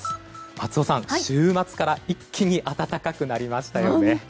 松尾さん、週末から一気に暖かくなりましたよね。